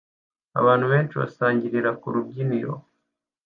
Abantu benshi basangirira ku rubyiniro